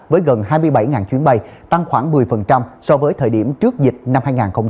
với gần hai mươi bảy chuyến bay tăng khoảng một mươi so với thời điểm trước dịch năm hai nghìn hai mươi ba